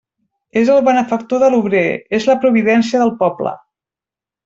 És el benefactor de l'obrer; és la providència del poble.